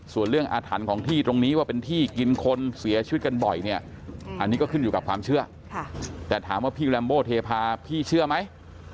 ส่วนเรื่องอาถรรพ์ของที่ตรงนี้ว่าเป็นที่กินคนเสียชีวิตกันบ่อยเนี่ยอันนี้ก็ขึ้นอยู่กับความเชื่อแต่ถามว่าพี่แรมโบเทพาพี่เชื่อไหม